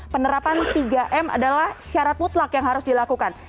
penerapan tiga m adalah syarat mutlak yang harus dilakukan